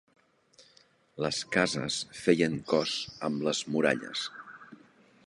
Les cases feien cos amb les muralles.